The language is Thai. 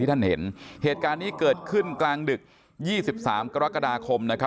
ที่ท่านเห็นเหตุการนี้เกิดขึ้นกลางดึก๒๓กรกฎาคมนะครับ